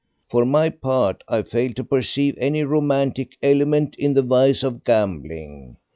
For my part I fail to perceive any romantic element in the vice of gambling.